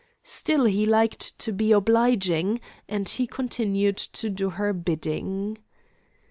Still he liked to be obliging, and he continued to do her bidding.